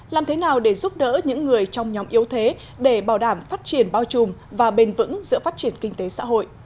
làm thế nào để giúp đỡ những người trong nhóm yếu thế để bảo đảm phát triển bao trùm và bền vững giữa phát triển kinh tế xã hội